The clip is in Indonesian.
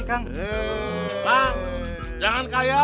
kayaknya saya gak lihat sih kang